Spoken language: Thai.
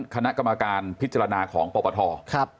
คณะกรรมการพิจารณาของปปท